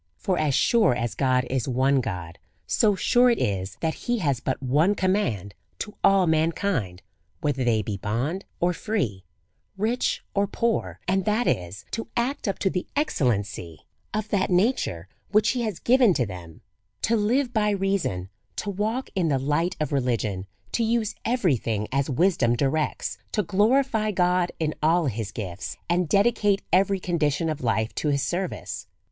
For as sure as God is one God, so sure it is that he has but one com mand to all mankind, whether they be bond or free, rich or poor ; and that is, to act up to the excellency DEVOUT AND HOLY LIFE. 51 of that nature which he has given them^ to live by reason^ to walk in the hght of rehgion^ to use every thing as wisdom directs^ to glorify God in all his gifts, and dedicate every condition of life to his service.